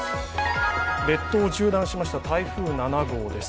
列島を縦断しました台風７号です。